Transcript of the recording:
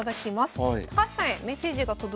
高橋さんへメッセージが届いております。